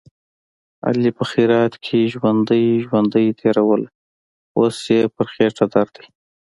علي په خیرات کې ژوندۍ ژوندۍ تېروله، اوس یې په خېټه درد دی.